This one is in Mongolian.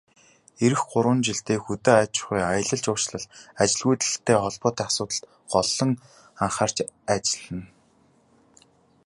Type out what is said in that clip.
Ирэх гурван жилд хөдөө аж ахуй, аялал жуулчлал, ажилгүйдэлтэй холбоотой асуудалд голлон анхаарч ажиллана.